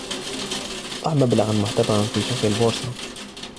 ضيع مبلغا معتبرا في سوق البورصة.